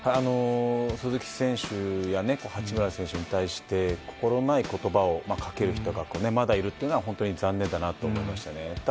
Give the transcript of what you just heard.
鈴木選手や八村選手に対して心ない言葉をかける人がまだいるというのは本当に残念だなと思いました。